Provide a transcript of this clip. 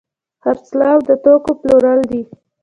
خرڅلاو د توکو پلورل دي.